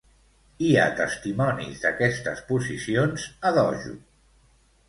Hi ha testimonis d'aquestes posicions a dojo.